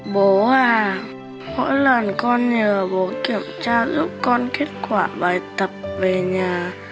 bố à mỗi lần con nhờ bố kiểm tra giúp con kết quả bài tập về nhà